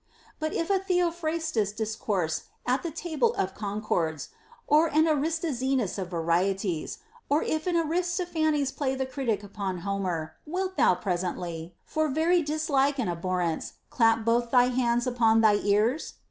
But if a Theophrastus dis course at the table of Concords, or an Aristoxenus of Varieties, or if an Aristophanes play the critic upon Ho mer, wilt thou presently, for very dislike and abhorrence clap both thy hands upon thy ears?